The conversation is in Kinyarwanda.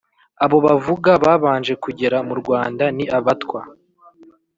abo bavuga babanje kugera mu rwanda, ni abatwa,